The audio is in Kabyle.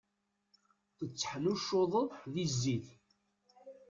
Tetteḥnuccuḍeḍ di zzit.